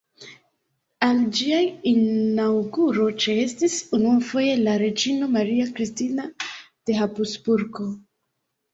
Al ĝia inaŭguro ĉeestis unuafoje la reĝino Maria Kristina de Habsburgo.